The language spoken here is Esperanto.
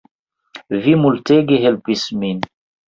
Vi multege helpis min